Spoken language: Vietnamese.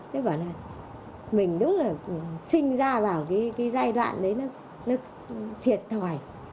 thế bảo là mình đúng là sinh ra vào cái giai đoạn đấy nó thiệt thòi